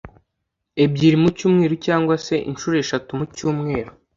ebyiri mu cyumweru cyangwa se inshuro eshatu mu cyumweru